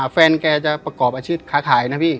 แฟนแกจะประกอบอาชีพค้าขายนะพี่